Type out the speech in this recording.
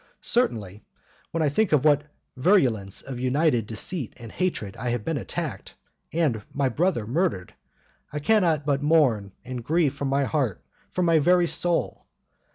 Certainly, when I think with what virulence of united deceit and hatred I have been attacked, and my brother murdered, I cannot but mourn and grieve from my heart, from my very soul.